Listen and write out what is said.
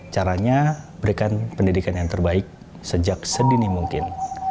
caranya berikan pendidikan yang terbaik sejak sedini mungkin